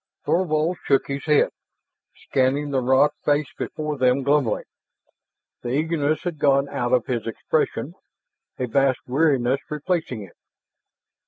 Thorvald shook his head, scanning the rock face before them glumly. The eagerness had gone out of his expression, a vast weariness replacing it.